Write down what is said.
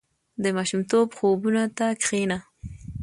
• د ماشومتوب خوبونو ته کښېنه.